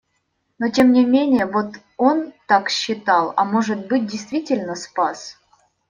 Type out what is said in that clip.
Но, тем не менее, вот он так считал, а может быть, действительно спас.